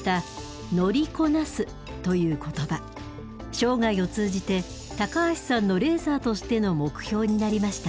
生涯を通じて高橋さんのレーサーとしての目標になりました。